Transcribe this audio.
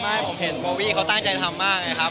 ไม่ผมเห็นโบวี่เขาตั้งใจทำมากไงครับ